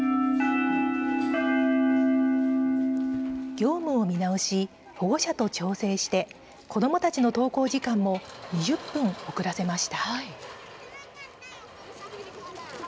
業務を見直し、保護者と調整して子どもたちの登校時間も２０分遅らせました。